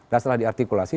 dan setelah diartikulasi